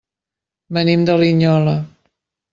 Venim de Linyola.